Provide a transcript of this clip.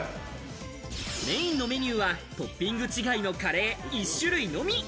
メーンのメニューはトッピング違いのカレー１種類のみ。